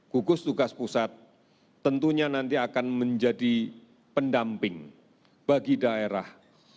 gugus tugas pusat tentunya nanti akan menjadi pendamping bagi daerah